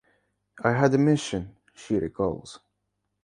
"I had a mission," she recalls.